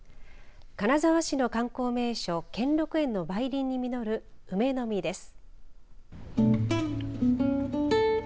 金沢市の観光名所兼六園の梅林に実る梅の実です。